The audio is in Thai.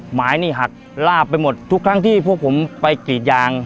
หมายนี่หักลาบไปหมดทุกครั้งที่พวกผมไปกรีดยาง